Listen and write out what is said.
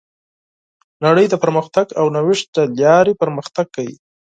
نړۍ د پرمختګ او نوښت له لارې پرمختګ کوي.